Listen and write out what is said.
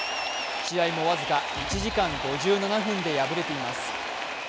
試合も僅か１時間５７分で敗れています。